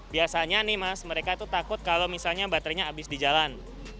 biasanya nih mas mereka itu takut kalau misalnya baterainya habis di jalan